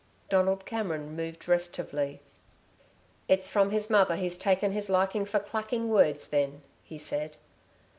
Donald Cameron moved restively. "It's from his mother he's taken his liking for clacking words, then," he said.